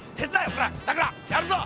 ほらさくらやるぞ！